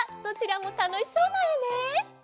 どちらもたのしそうなえね。